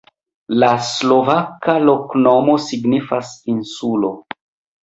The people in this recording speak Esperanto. La slovaka loknomo signifas: insulo.